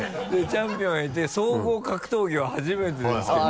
チャンピオンがいて総合格闘技は初めてですけど。